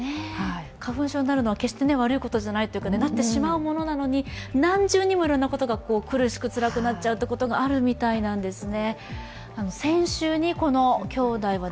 花粉症になるのは決して悪いことではない、なってしまうのに何重にもいろんなことが苦しくつらくなっちゃうことがあるそうなんですね。